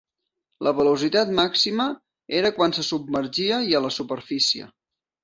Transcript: La velocitat màxima era quan se submergia i a la superfície.